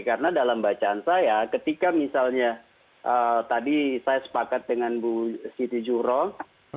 karena dalam bacaan saya ketika misalnya tadi saya sepakat dengan bu siti juro membaca pola itu menjadi penting